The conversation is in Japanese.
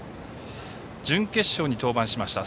準決勝に登板しました。